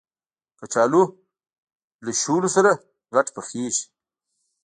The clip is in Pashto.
کچالو له شولو سره ګډ پخېږي